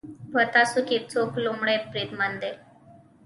په تاسو کې څوک لومړی بریدمن دی